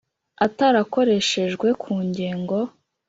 Atarakoreshejwe ku ngengo